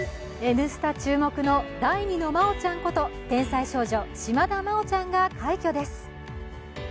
「Ｎスタ」注目の第二のまおちゃんこと天才少女、島田麻央ちゃんが快挙です。